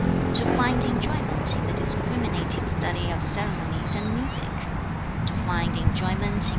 To find enjoyment in the discriminating study of ceremonies and music; to find enjoyment in 樂道人之善/樂多賢友/益矣.